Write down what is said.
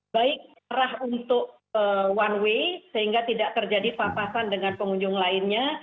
baik arah untuk one way sehingga tidak terjadi papasan dengan pengunjung lainnya